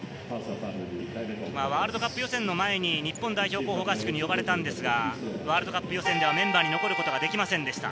ワールドカップ予選の前に日本代表候補合宿に呼ばれたんですが、ワールドカップ予選ではメンバーに残ることができませんでした。